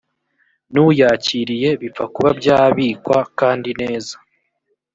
n uyakiriye bipfa kuba byabikwa kandi neza